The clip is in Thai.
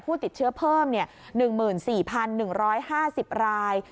ผู้ติดเชื้อเพิ่มเนี่ย๑๔๑๕๐ราย